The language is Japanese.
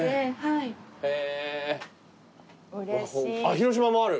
広島もある！